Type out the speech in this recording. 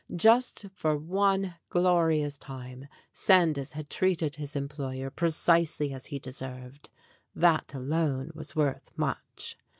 Just for one glori ous time Sandys had treated his employer precisely as he deserved that alone was worth much.